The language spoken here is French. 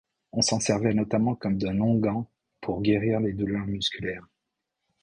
On s'en servait notamment comme d'un onguent pour guérir les douleurs musculaires.